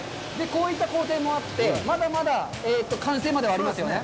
こういった工程もあって、まだまだ完成まではありますよね。